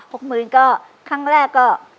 หมื่นก็ครั้งแรกก็